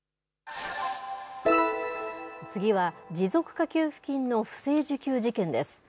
次は持続化給付金の不正受給事件です。